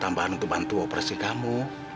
tambahan untuk bantu operasi kamu